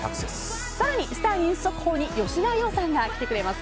更にスター☆ニュース速報に吉田羊さんが来てくれます。